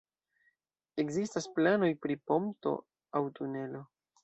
Ekzistas planoj pri ponto aŭ tunelo.